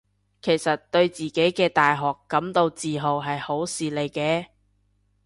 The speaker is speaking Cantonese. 其實對自己嘅大學感到自豪係好事嚟嘅